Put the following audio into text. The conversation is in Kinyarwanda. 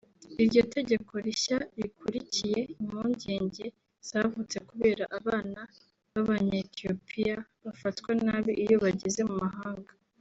Iryo tegeko rishya rikurikiye impungenge zavutse kubera abana b’abanyaethiopiya bafatwa nabi iyo bageze mu mahanga